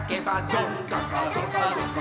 「どんかかどかどか」